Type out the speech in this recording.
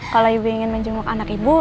kalau ibu ingin menjenguk anak ibu